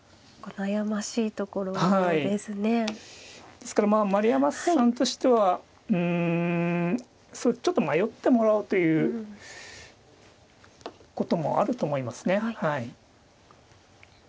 ですからまあ丸山さんとしてはうんちょっと迷ってもらおうということもあると思いますね。